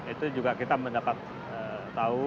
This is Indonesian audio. itu juga kita mendapat tahu